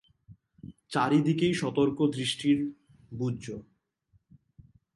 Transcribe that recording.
চারি দিকেই সতর্ক দৃষ্টির ব্যূহ।